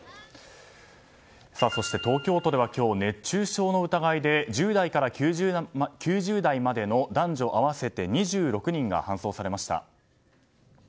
そして、東京都では今日熱中症の疑いで１０代から９０代までの男女合わせて２６人が搬送されました。